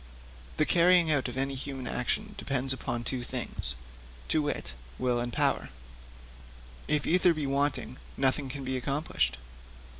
'The carrying out of any human action depends upon two things to wit, will and power; if either be wanting, nothing can be accomplished.